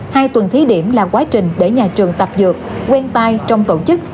hai tuần thí điểm là quá trình để nhà trường tập dược quen tai trong tổ chức